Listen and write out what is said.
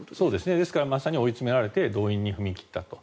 ですからまさに追い詰められて動員に踏み切ったと。